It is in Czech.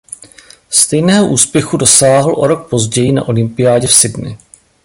Stejného úspěchu dosáhl o rok později na olympiádě v Sydney.